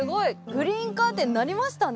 グリーンカーテンなりましたね。